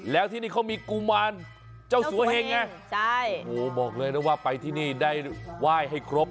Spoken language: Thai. แล้วที่นี่เขามีกุมารเจ้าสัวเหงไงใช่โอ้โหบอกเลยนะว่าไปที่นี่ได้ไหว้ให้ครบ